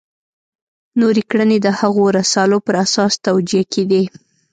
نورې کړنې د هغو رسالو پر اساس توجیه کېدې.